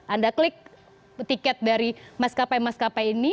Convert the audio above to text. anda klik tiket dari maskapai maskapai ini